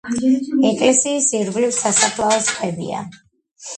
ეკლესიის ირგვლივ სასაფლაოს ქვებია.